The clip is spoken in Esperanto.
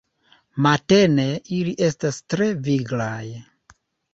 Matene ili estas tre viglaj.